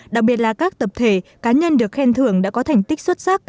đặc biệt là các tập thể cá nhân được khen thưởng đã có thành tích xuất sắc